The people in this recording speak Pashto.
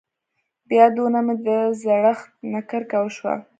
بيا دونه مې د زړښت نه کرکه وشوه.